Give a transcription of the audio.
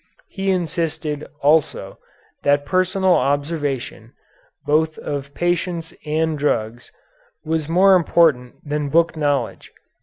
He insisted, also that personal observation, both of patients and drugs, was more important than book knowledge.